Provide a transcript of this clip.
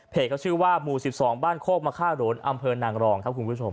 เขาชื่อว่าหมู่๑๒บ้านโคกมะค่าโรนอำเภอนางรองครับคุณผู้ชม